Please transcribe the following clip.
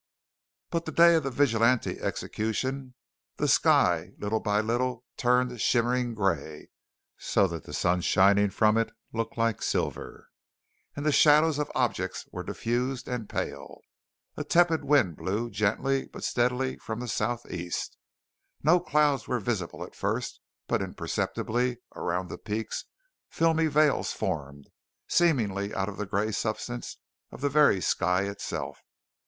But the day of the Vigilante execution the sky little by little turned shimmering gray; so that the sun shining from it looked like silver; and the shadows of objects were diffused and pale. A tepid wind blew gently but steadily from the southeast. No clouds were visible at first; but imperceptibly, around the peaks, filmy veils formed seemingly out of the gray substance of the very sky itself.